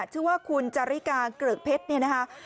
ชื่อว่าคุณจาริกาเกริกเพชรเนี่ยนะคะ